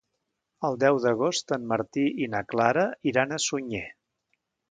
El deu d'agost en Martí i na Clara iran a Sunyer.